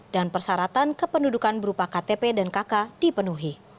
dan persaratan kependudukan berupa ktp dan kk dipenuhi